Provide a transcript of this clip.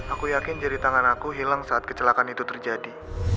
aku yakin jari tangan aku hilang saat kecelakaan itu terjadi